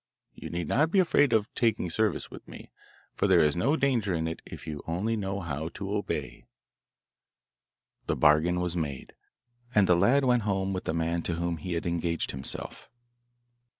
You need not be afraid of taking service with me, for there is no danger in it if you only know how to obey.' The bargain was made, and the lad went home with the man to whom he had engaged himself.